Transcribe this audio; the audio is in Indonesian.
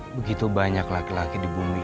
begitu banyak laki laki di bumi